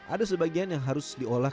ada sebagian yang harus diolah